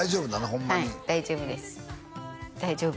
ホンマにはい大丈夫です大丈夫